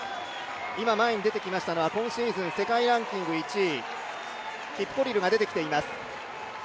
今、前に出てきましたのが今シーズン世界ランキング１位、キプコリルが出てきています。